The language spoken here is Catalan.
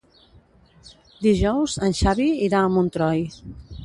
Dijous en Xavi irà a Montroi.